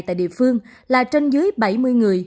tại địa phương là trên dưới bảy mươi người